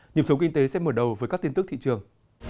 nhiệm sống kinh tế sẽ mở đầu với các tin tức thị trường